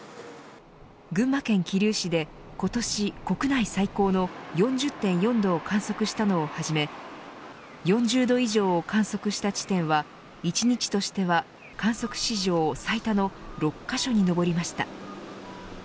群馬県桐生市で、今年国内最高の４０．４度を観測したのをはじめ４０度以上を観測した地点は１日としては観測史上最多の６カ所に上りました。